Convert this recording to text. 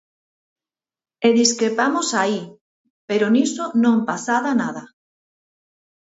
E discrepamos aí, pero niso non pasada nada.